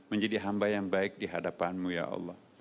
menjadi hamba yang baik di hadapan mu ya allah